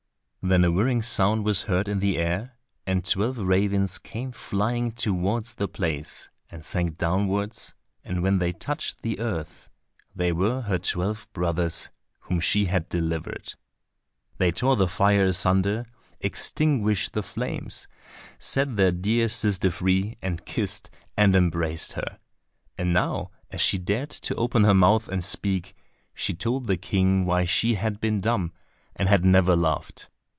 Then a whirring sound was heard in the air, and twelve ravens came flying towards the place, and sank downwards, and when they touched the earth they were her twelve brothers, whom she had delivered. They tore the fire asunder, extinguished the flames, set their dear sister free, and kissed and embraced her. And now as she dared to open her mouth and speak, she told the King why she had been dumb, and had never laughed.